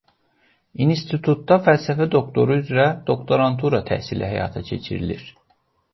İnstitutda fəlsəfə doktoru üzrə doktorantura təhsili həyata keçirilir.